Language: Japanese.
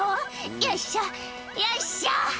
「よいしょよいしょ」